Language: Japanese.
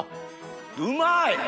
うまい！